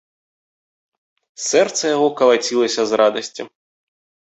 Сэрца яго калацілася з радасці.